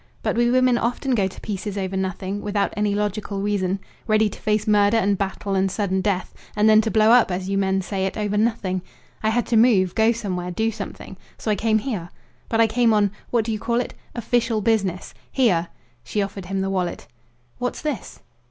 But we women often go to pieces over nothing, without any logical reason. Ready to face murder and battle and sudden death; and then to blow up, as you men say it, over nothing. I had to move, go somewhere, do something; so I came here. But I came on what do you call it? official business. Here!" She offered him the wallet. "What's this?"